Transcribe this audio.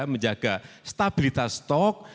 menjaga stabilitas stok